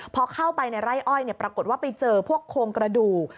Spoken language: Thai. พอเข้าไปในไร่อ้อยปรากฏว่าไปเจอพวกโครงกระดูก